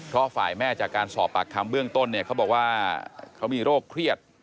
เพราะฝ่ายแม่จากการสอบปากคำเบื้องต้นเนี่ยเขาบอกว่าเขามีโรคเครียด